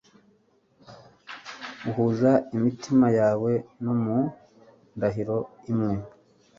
uhuza imitima yawe; no mu ndahiro imwe